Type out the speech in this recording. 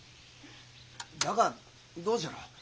だがどうじゃろう？